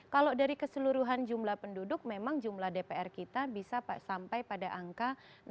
kalau dari keseluruhan jumlah penduduk memang jumlah dpr kita bisa sampai pada angka enam ratus sembilan belas